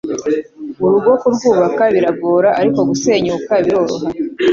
urugo kurwubaka biragora ariko gusenyuka biroroha